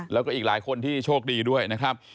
แล้วก็อีกหลายคนที่โชคดีด้วยนะครับ